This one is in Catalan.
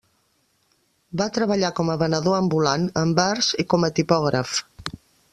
Va treballar com a venedor ambulant, en bars i com a tipògraf.